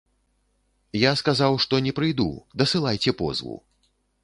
Я сказаў, што не прыйду, дасылайце позву.